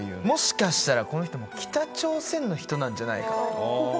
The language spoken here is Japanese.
もしかしたらこの人も北朝鮮の人なんじゃないか。